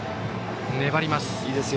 粘ります。